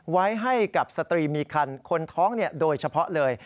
ไว้ให้กับสตรีมีคันคนท้องโดยเฉพาะเลย